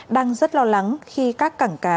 đang rất lo lắng khi các cảng cá